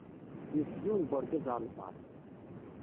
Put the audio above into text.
Yudef yiwen n urgaz ɣer lbaṛ...